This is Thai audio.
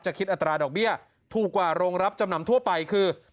คิดอัตราดอกเบี้ยถูกกว่าโรงรับจำนำทั่วไปคือ